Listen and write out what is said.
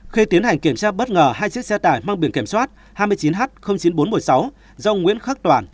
khi tiến hành kiểm tra bất ngờ hai chiếc xe tải mang biển kiểm soát hai mươi chín h chín nghìn bốn trăm một mươi sáu do nguyễn khắc toàn